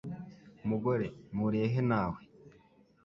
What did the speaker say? mugore mpuriye he nawe